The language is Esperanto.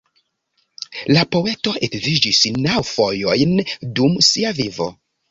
La poeto edziĝis naŭ fojojn dum sia vivo.